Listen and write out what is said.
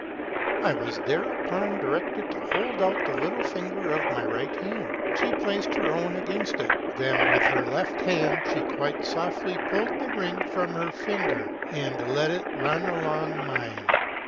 " I was thereupon directed to hold out the little finger of my right hand : she placed her own against it ; then, with her left hand, she quite softly pulled the ring from her fin ger, and let it run along mine.